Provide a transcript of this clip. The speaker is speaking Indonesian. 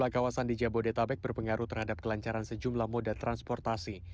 dua kawasan di jabodetabek berpengaruh terhadap kelancaran sejumlah moda transportasi